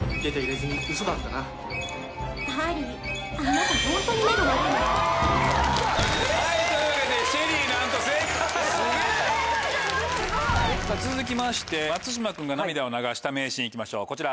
すごい！続きまして松島君が涙を流した名シーン行きましょうこちら。